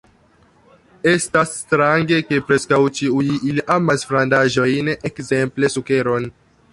Estas strange, ke preskaŭ ĉiuj ili amas frandaĵojn, ekzemple sukeron.